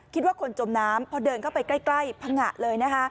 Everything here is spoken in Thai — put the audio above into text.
คิดว่าคนจมน้ำพอเดินเข้าไปใกล้พังงะเลยนะคะ